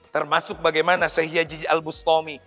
termasuk bagaimana syekh yaji al bustami